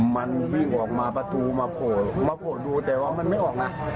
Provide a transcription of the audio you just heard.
มันวิ่งออกมาประตูมาโผล่มาโผล่ดูแต่ว่ามันไม่ออกนะ